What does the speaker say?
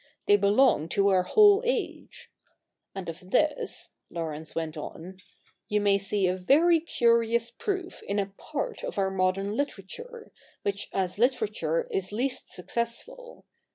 They belong to our whole age. And of this,' Laurence went on, 'you may see a very curious proof in a part of our modern literature, which as literature is least successful.